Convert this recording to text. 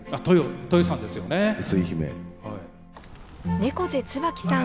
猫背椿さん